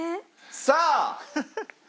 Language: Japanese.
さあ。